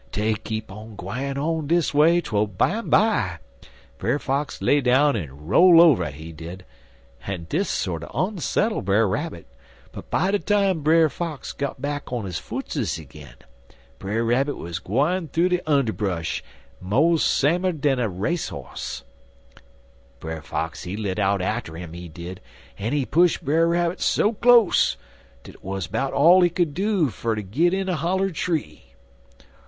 Dey kep' on gwine on dis way twel bimeby Brer Fox lay down en roll over, he did, en dis sorter onsettle Brer Rabbit, but by de time Brer Fox got back on his footses agin, Brer Rabbit wuz gwine thoo de underbresh mo' samer dan a race hoss. Brer Fox he lit out atter 'im, he did, en he push Brer Rabbit so close dat it wuz 'bout all he could do fer ter git in a holler tree.